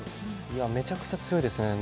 めちゃくちゃ強いですね。